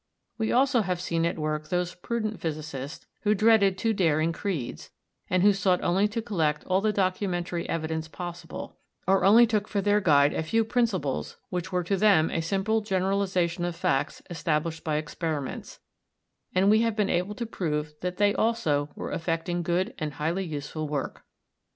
We also have seen at work those prudent physicists who dreaded too daring creeds, and who sought only to collect all the documentary evidence possible, or only took for their guide a few principles which were to them a simple generalisation of facts established by experiments; and we have been able to prove that they also were effecting good and highly useful work.